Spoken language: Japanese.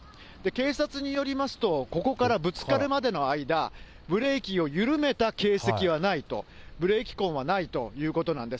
警察によりますと、ここからぶつかるまでの間、ブレーキを緩めた形跡はないと、ブレーキ痕はないということなんです。